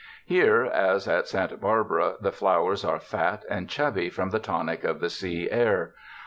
Here, as at Santa Barbara, the flowers are fat and chubby from the tonic of the sea air.